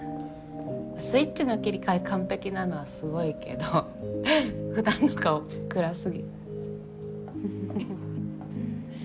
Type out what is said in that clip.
スイッチの切り替え完璧なのはすごいけど普段の顔暗すぎ。